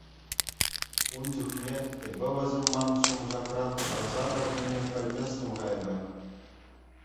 Ун чухне эпӗ вӗсем ман шӑмшакран хӑраса тарнине пӗлместӗм-ха эпӗ.